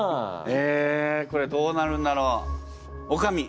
えこれどうなるんだろう？おかみ！